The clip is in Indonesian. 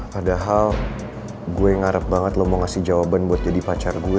padahal gue ngarep banget lo mau ngasih jawaban buat jadi pacar gue